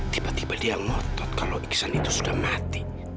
tiba tiba dia ngotot kalau iksan itu sudah mati